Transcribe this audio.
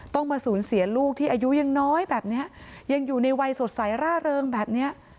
ต้องมาสูญเสียลูกที่อายุยังน้อยแบบเนี้ยยังอยู่ในวัยสดใสร่าเริงแบบนี้